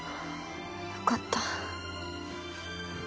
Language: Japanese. よかった。